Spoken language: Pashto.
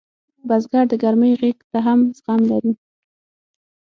بزګر د ګرمۍ غېږ ته هم زغم لري